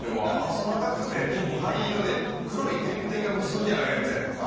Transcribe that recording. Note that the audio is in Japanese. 細長くて灰色で黒い点々が無数にあるやつやねんな。